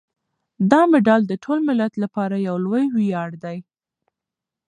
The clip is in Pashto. دا مډال د ټول ملت لپاره یو لوی ویاړ دی.